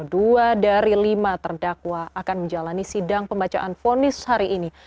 dua dari lima terdakwa akan menjalani sidang pembacaan fonis hari ini